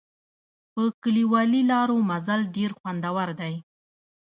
په کلیوالي لارو مزل ډېر خوندور دی.